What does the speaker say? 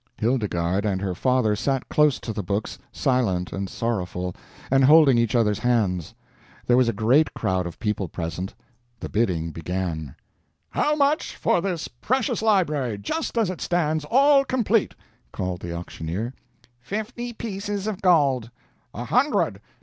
Hildegarde and her father sat close to the books, silent and sorrowful, and holding each other's hands. There was a great crowd of people present. The bidding began "How much for this precious library, just as it stands, all complete?" called the auctioneer. "Fifty pieces of gold!" "A hundred!"